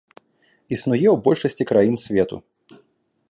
Існуе ў большасці краін свету.